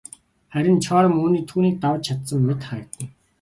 Харин Теорем түүнийг давж чадсан мэт харагдана.